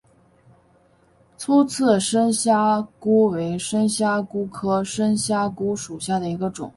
粗刺深虾蛄为深虾蛄科深虾蛄属下的一个种。